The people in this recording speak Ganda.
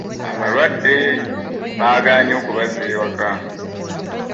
Abalwadde baagaanye okubazza ewaka.